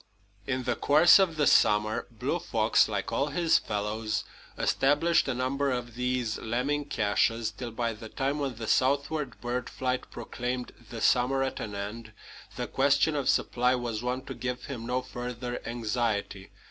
In the course of the summer, Blue Fox, like all his fellows, established a number of these lemming caches, till by the time when the southward bird flight proclaimed the summer at an end, the question of supply was one to give him no further anxiety.